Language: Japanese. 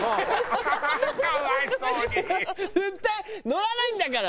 「絶対乗らないんだから！」